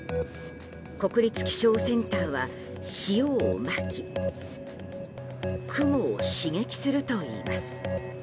国立気象センターは、塩をまき雲を刺激するといいます。